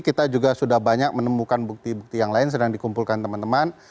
kita juga sudah banyak menemukan bukti bukti yang lain sedang dikumpulkan teman teman